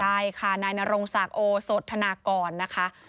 ใช่ค่ะนายนรงศักดิ์โอโสธนากรนะคะ